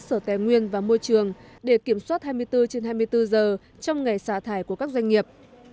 sở tài nguyên và môi trường để kiểm soát hai mươi bốn trên hai mươi bốn giờ trong ngày xả thải của các doanh nghiệp